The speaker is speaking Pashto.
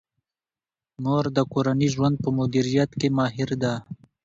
مور د کورني ژوند په مدیریت کې ماهر ده.